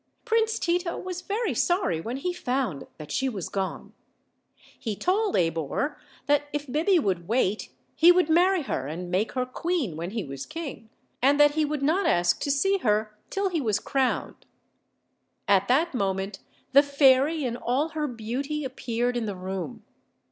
Prince Tito was very sorry when he found that she was gone. He told Abor that if Biby would wait he would marry her and make her queen when he was king, and that he would not ask to see her till he was crowned. At that moment the fairy in all her beauty appeared in the room.